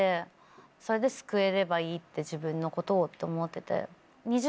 それで救えればいいって自分のことをって思ってて。